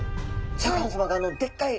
シャーク香音さまがでっかい